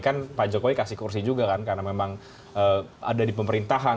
kan pak jokowi kasih kursi juga kan karena memang ada di pemerintahan